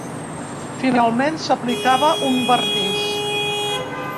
Finalment s'aplicava un vernís.